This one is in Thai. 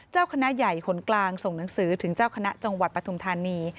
เจ้าคณะใหญ่คนกลางส่งหนังสือถึงเจ้าคณะจังหวัดปฐุมธานี